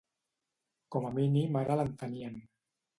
Com a mínim ara l'entenien.